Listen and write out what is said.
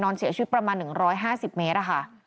เสียชีวิตประมาณ๑๕๐เมตรค่ะ